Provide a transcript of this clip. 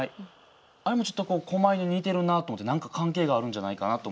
あれもちょっと狛犬に似てるなと思って何か関係があるんじゃないかなと思うんですよ。